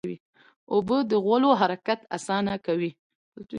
اوبه د غولو حرکت اسانه کوي.